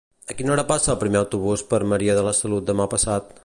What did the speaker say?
A quina hora passa el primer autobús per Maria de la Salut demà passat?